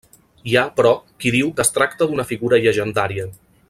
Hi ha, però, qui diu que es tracta d'una figura llegendària.